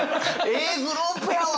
「ええグループやわ！」